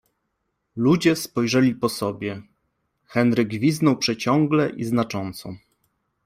Ludzie spojrzeli po sobie. Henry gwizdnął przeciągle i znacząco.